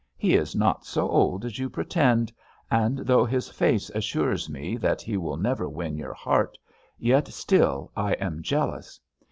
He is not so old as you pretend, and though his face assures me that he will never win your heart, yet still I am jealous.